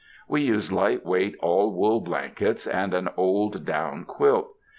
We use light weight all wool blankets and an old down quilt.